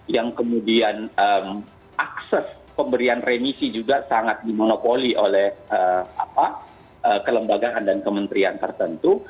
yang kemudian akses pemberian remisi juga sangat dimonopoli oleh kelembagaan dan kementerian tertentu